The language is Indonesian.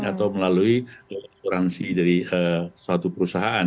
atau melalui asuransi dari suatu perusahaan